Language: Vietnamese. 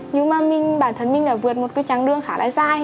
nhưng mà mình bản thân mình đã vượt một cái chặng đường khá là dài